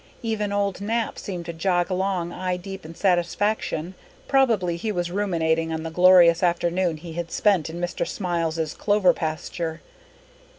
Even old Nap seemed to jog along eye deep in satisfaction. Probably he was ruminating on the glorious afternoon he had spent in Mr. Smiles's clover pasture.